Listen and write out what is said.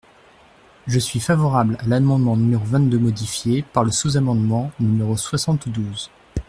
Je suis favorable à l’amendement numéro vingt-deux modifié par le sous-amendement numérosoixante-douze.